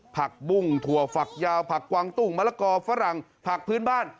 ผักบุ้งถั่วฝักยาวผักกวางตุ้งมะละกอฝรั่งผักพื้นบ้าน